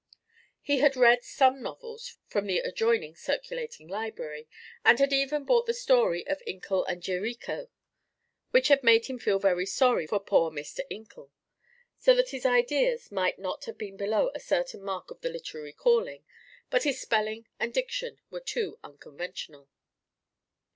He had read some novels from the adjoining circulating library, and had even bought the story of Inkle and Yarico, which had made him feel very sorry for poor Mr. Inkle; so that his ideas might not have been below a certain mark of the literary calling; but his spelling and diction were too unconventional.